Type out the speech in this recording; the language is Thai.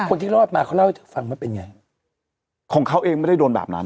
คนที่รอดมาเขาเล่าให้ฟังว่าเป็นไงของเขาเองไม่ได้โดนแบบนั้น